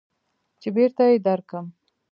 چې بېرته يې درکم.